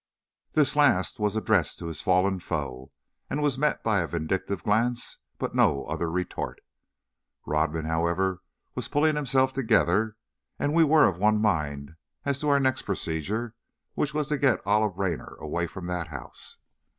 The last was addressed to his fallen foe, and was met by a vindictive glance, but no other retort. Rodman, however, was pulling himself together and we were of one mind as to our next procedure, which was to get Olive Raynor away from that house.